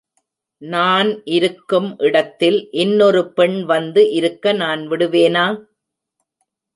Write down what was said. நான் இருக்கும் இடத்தில் இன் னொரு பெண் வந்து இருக்க நான் விடுவேனா?